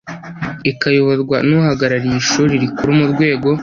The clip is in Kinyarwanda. ikayoborwa n uhagarariye Ishuri Rikuru mu rwego